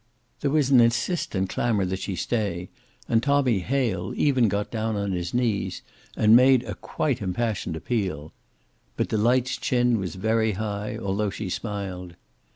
There was an insistent clamor that she stay, and Tommy Hale even got down on his knees and made a quite impassioned appeal. But Delight's chin was very high, although she smiled.